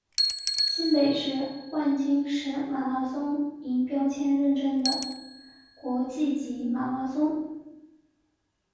新北市万金石马拉松银标签认证的国际级马拉松。